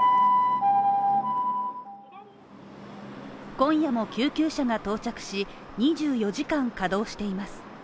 今夜も救急車が到着し２４時間稼働しています